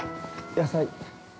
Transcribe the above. ◆野菜。